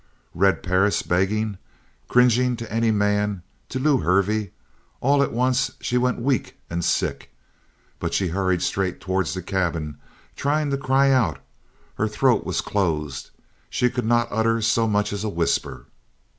Red Perris begging, cringing to any man, to Lew Hervey? All at once she went weak and sick, but she hurried straight towards the cabin, trying to cry out. Her throat was closed. She could not utter so much as a whisper.